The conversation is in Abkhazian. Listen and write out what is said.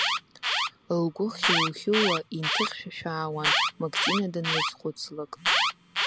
Лгәы хьу-хьууа инҭыхьшәашәаауан, Мактина данлызхуцлак.